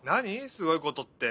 すごいことって。